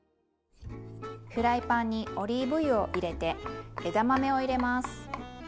フライパンにオリーブ油を入れて枝豆を入れます。